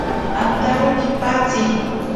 Antaro kipatsi.